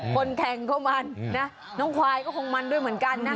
คนแข่งก็มันนะน้องควายก็คงมันด้วยเหมือนกันนะ